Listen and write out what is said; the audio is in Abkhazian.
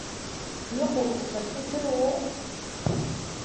Иҟоуҵо закәу удыруоу?